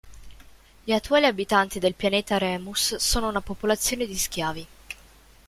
Gli attuali abitanti del pianeta Remus sono una popolazione di schiavi.